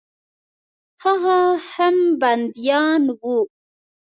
هغه هم بندیان وه.